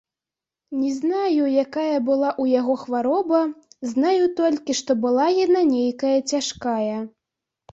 Не знаю, якая была ў яго хвароба, знаю толькі, што была яна нейкая цяжкая.